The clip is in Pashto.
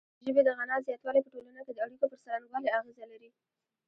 د ژبې د غنا زیاتوالی په ټولنه کې د اړیکو پر څرنګوالي اغیزه لري.